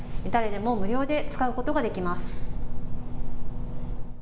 誰でも無料で使うことができます。